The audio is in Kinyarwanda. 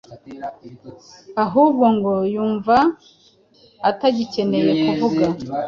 ahubwo ngo yumva atagikeneye kuvuga